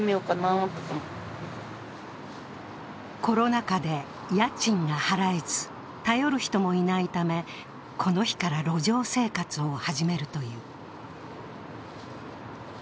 コロナ禍で家賃が払えず、頼る人もいないため、この日から路上生活を始めるという。